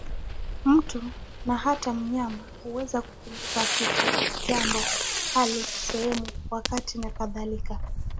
Mtu, na hata mnyama, huweza kukumbuka kitu, jambo, hali, sehemu, wakati nakadhalika.